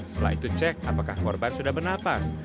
setelah itu cek apakah korban sudah bernapas